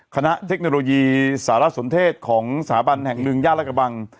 เทคโนโลยีสารสนเทศของสถาบันแห่งหนึ่งย่านและกระบัง